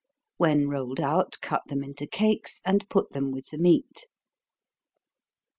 When rolled out, cut them into cakes, and put them with the meat.